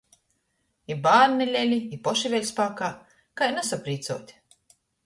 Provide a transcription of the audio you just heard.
I bārni leli, i poši vēļ spākā — kai nasaprīcuot!